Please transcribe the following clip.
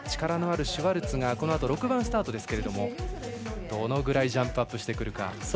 力のあるシュワルツがこのあと６番スタートですがどのぐらいジャンプアップしてくるか。